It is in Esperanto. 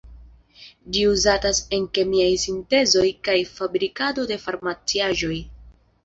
Ĝi uzatas en kemiaj sintezoj kaj fabrikado de farmaciaĵoj.